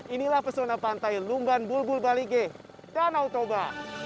inilah pesona pantai lumban bulbul balige danau toba